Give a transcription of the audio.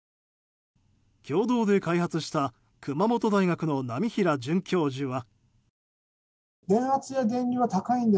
共同で開発した熊本大学の浪平准教授は。